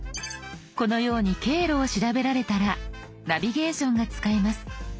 このように経路を調べられたらナビゲーションが使えます。